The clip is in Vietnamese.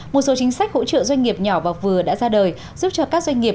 một số chính sách hỗ trợ doanh nghiệp nhỏ và vừa đã ra đời giúp cho các doanh nghiệp